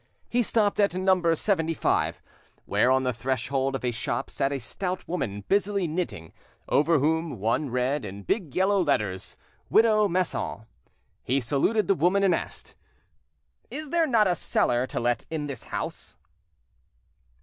He stopped at Number 75, where on the threshold of a shop sat a stout woman busily knitting, over whom one read in big yellow letters, "Widow Masson." He saluted the woman, and asked— "Is there not a cellar to let in this house?"